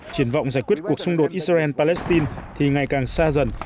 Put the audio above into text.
triển vọng giải quyết cuộc xung đột israel palestine thì ngày càng xa dần